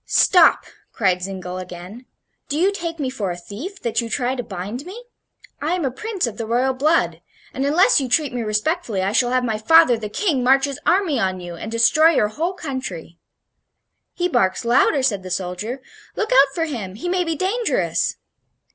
"Stop!" cried Zingle, again; "do you take me for a thief, that you try to bind me? I am a prince of the royal blood, and unless you treat me respectfully I shall have my father, the King, march his army on you and destroy your whole country." "He barks louder," said the soldier. "Look out for him; he may be dangerous."